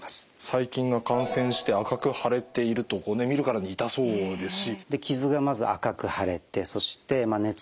細菌が感染して赤く腫れていると見るからに痛そうですし。